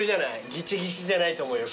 ギチギチじゃないと思うよ。